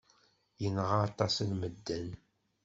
Yenɣa aṭas n medden.